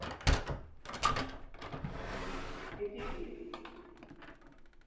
এটি 'গে?